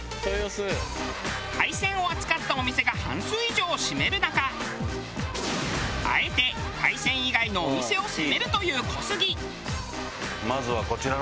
海鮮を扱ったお店が半数以上を占める中あえて海鮮以外のお店を攻めるという小杉。